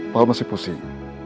pak al masih pusing